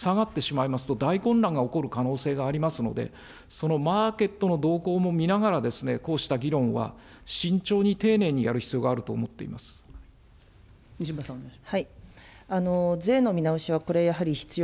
そしてマーケットが今、下がってしまいますと、大混乱が起こる可能性がありますので、そのマーケットの動向も見ながら、こうした議論は、慎重に丁寧にやる必要が西村さん、お願いします。